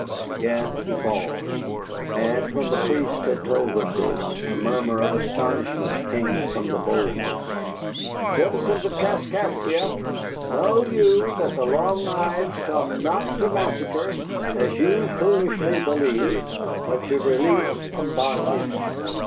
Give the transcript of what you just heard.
Again he paused, and when the priest had told them this, a murmur of astonishment came from the boldest. "Citizens of Kaskaskia, know you that the Long Knives come not to massacre, as you foolishly believed, but to release from bondage.